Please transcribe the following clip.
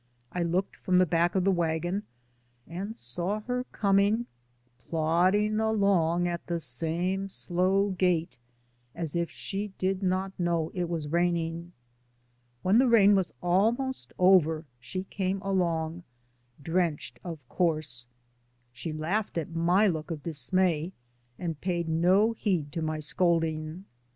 I looked from the back of the wagon and saw her coming — plodding along at the same slow gait, as if she did not know it was raining. When the rain was almost over she came along — drenched, of course. She laughed at my look of dis may and paid no heed to my scolding.